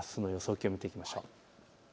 気温を見ていきましょう。